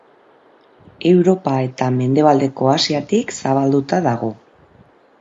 Europa eta mendebaldeko Asiatik zabalduta dago.